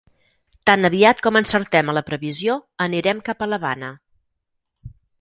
Tan aviat com encertem a la previsió, anirem cap a l'Havana.